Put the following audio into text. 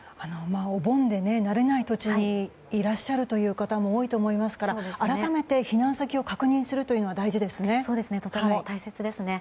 お盆で慣れない土地にいらっしゃるという方も多いと思いますから改めて避難先をとても大切です。